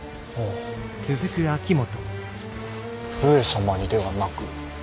上様にではなく。